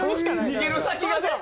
逃げる先がね。